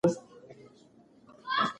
ایا انا د ماشوم له شور ماشور څخه تنگه ده؟